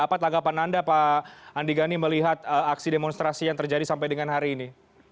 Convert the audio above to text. apa tanggapan anda pak andi gani melihat aksi demonstrasi yang terjadi sampai dengan hari ini